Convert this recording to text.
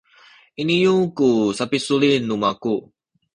iniyu ku sapisulit nu maku